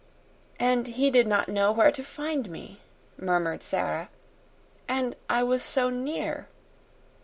"And he did not know where to find me," murmured Sara. "And I was so near."